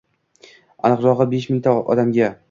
Aniqrogʻi, besh mingta odamga.